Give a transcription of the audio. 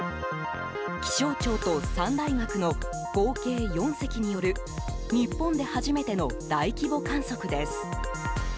気象庁と３大学の合計４隻による日本で初めての大規模観測です。